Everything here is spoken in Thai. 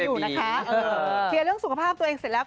เคลียร์เรื่องสุขภาพตัวเองเสร็จแล้ว